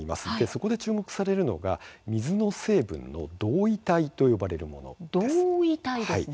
そこで注目されるのが水の成分の同位体と呼ばれるものです。